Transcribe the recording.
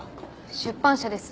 出版社です。